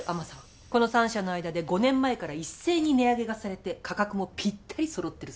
この３社の間で５年前から一斉に値上げがされて価格もぴったり揃ってるそうです。